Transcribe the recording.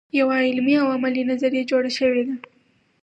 یوه علمي او عملي نظریه جوړه شوې ده.